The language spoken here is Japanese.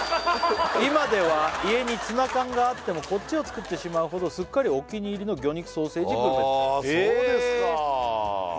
今では家にツナ缶があってもこっちを作ってしまうほどすっかりお気に入りの魚肉ソーセージグルメですへえ！